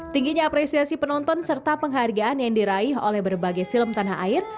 tingginya apresiasi penonton serta penghargaan yang diraih oleh berbagai film tanah air